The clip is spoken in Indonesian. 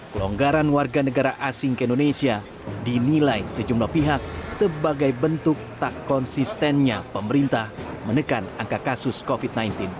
pelonggaran warga negara asing ke indonesia dinilai sejumlah pihak sebagai bentuk tak konsistennya pemerintah menekan angka kasus covid sembilan belas